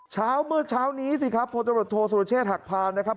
เช้าเมื่อเช้านี้สิครับพลตำรวจโทษสุรเชษฐหักพานนะครับ